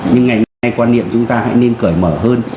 nhưng ngày hôm nay quan niệm chúng ta hãy nên cởi mở hơn